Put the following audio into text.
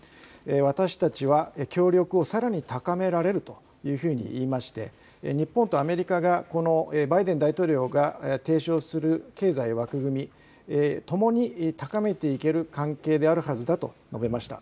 私たちは協力をさらに高められるというふうに言いまして、日本とアメリカがこのバイデン大統領が提唱する経済枠組み、ともに高めていける関係であるはずだと述べました。